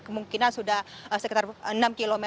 kemungkinan sudah sekitar enam km